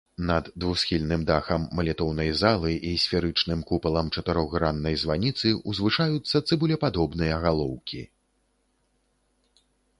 Над двухсхільным дахам малітоўнай залы і сферычным купалам чатырохграннай званіцы ўзвышаюцца цыбулепадобныя галоўкі.